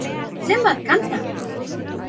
Zenbat kanta!